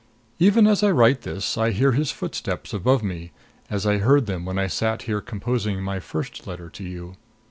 Even as I write this, I hear his footsteps above me, as I heard them when I sat here composing my first letter to you.